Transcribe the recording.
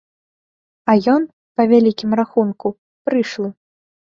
А ён, па вялікім рахунку, прышлы.